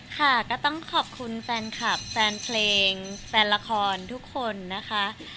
ค่ะก็ต้องขอบคุณแฟนคลับแฟนเพลงแฟนละครทุกคนนะคะ